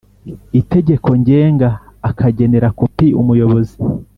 itegeko ngenga akagenera kopi Umuyobozi